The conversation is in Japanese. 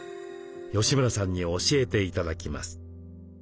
吉村さんに教えて頂きます。